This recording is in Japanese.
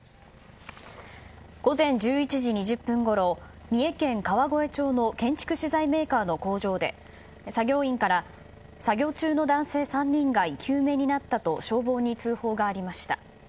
午前１１時２０分ごろ三重県川越町の建築資材メーカーの工場で作業員から作業中の男性３人が生き埋めになったと消防に通報がありました。